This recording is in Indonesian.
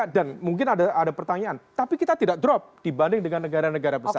dan mungkin ada pertanyaan tapi kita tidak drop dibanding dengan negara negara besar